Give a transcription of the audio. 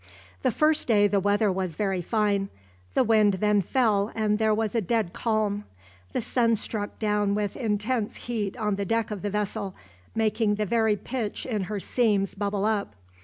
The first day the weather was very fine; the wind then fell, and there was a dead calm. The sun struck down with intense heat on the deck of the vessel, making the very pitch in her seams bubble up.